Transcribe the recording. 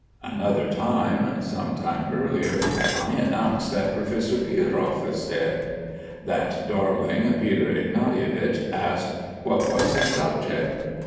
Another time, some time earlier I announced that Professor Pierov was dead. That darling Peter Ignatievich asked: "What was his subject?"